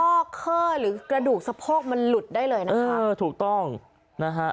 อกข้อหรือกระดูกสะโพกมันหลุดได้เลยนะคะเออถูกต้องนะฮะ